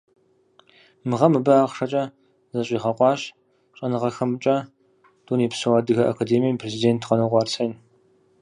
Мы гъэм абы ахъшэкӏэ защӏигъэкъуащ Щӏэныгъэхэмкӏэ Дунейпсо Адыгэ Академием и президент Къанокъуэ Арсен.